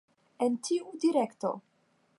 En tiu direkto.